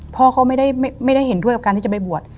พ่อก็ไม่ได้เห็นด้วยกับการที่จะไปบวช